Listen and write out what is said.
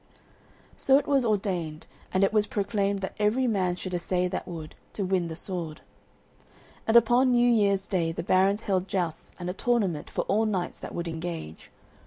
So it was ordained, and it was proclaimed that every man should assay that would, to win the sword. And upon New Year's Day the barons held jousts and a tournament for all knights that would engage.